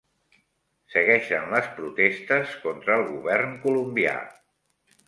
Segueixen les protestes contra el govern colombià